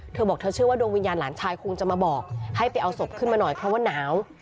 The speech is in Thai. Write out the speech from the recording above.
เธอบอกเธอเชื่อว่าดวงวิญญาณหลานชายคงจะมาบอกให้ไปเอาศพขึ้นมาหน่อยเพราะว่าหนาว